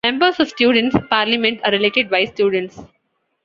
Members of students' parliament are elected by students.